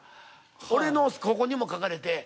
俺のここにも書かれて。